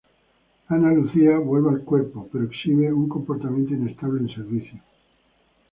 Ana Lucía vuelve al cuerpo, pero exhibe un comportamiento inestable en servicio.